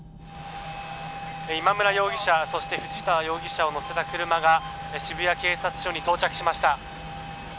今村容疑者そして藤田容疑者を乗せた車が渋谷警察署に到着しました。